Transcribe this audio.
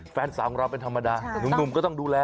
แฟนสาวของเราเป็นธรรมดาหนุ่มก็ต้องดูแล